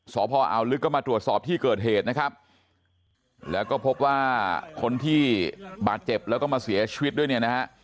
สอบพออาวลึกก็มาตรวจสอบที่เกิดเหตุนะครับแล้วก็พบว่าคนที่บาดเจ็บแล้วก็มาเสียชีวิตด้วยเนี่ยนะฮะ